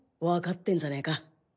わかってんじゃねえか。